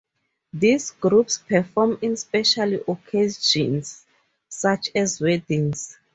These groups perform in special occasions such as weddings.